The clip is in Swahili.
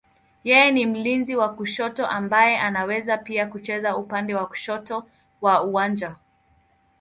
Yeye ni mlinzi wa kushoto ambaye anaweza pia kucheza upande wa kushoto wa uwanja.